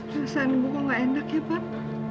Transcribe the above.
perasaan ibu kok nggak enak ya pak